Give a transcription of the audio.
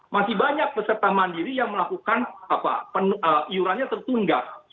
masih banyak peserta mandiri yang melakukan iurannya tertunda